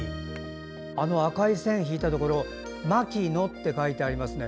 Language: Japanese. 赤い線引いたところＭａｋｉｎｏって書いてありますね。